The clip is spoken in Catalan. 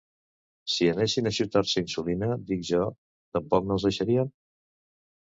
Si anessin a xutar-s'hi insulina, dic jo, tampoc no els deixarien?